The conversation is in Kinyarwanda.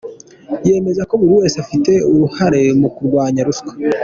Yemeza ko buri wese afite uruhare mu kurwanya ruswa.